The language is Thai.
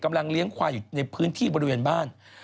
เลี้ยงควายอยู่ในพื้นที่บริเวณบ้าน